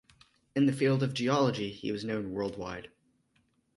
In the field of geology, he was known world-wide.